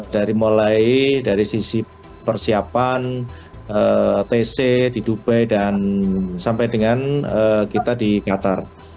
dari mulai dari sisi persiapan tc di dubai dan sampai dengan kita di qatar